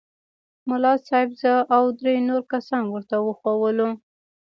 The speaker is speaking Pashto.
ملا صاحب زه او درې نور کسان ورته وښوولو.